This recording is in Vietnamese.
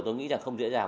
tôi nghĩ là không dễ dàng